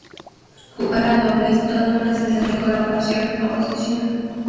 Jugar a dobles, toda una sensación de colaboración-oposición.